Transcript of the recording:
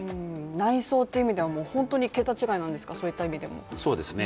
内装という意味でも本当に桁違いなんですか、そういった意味では。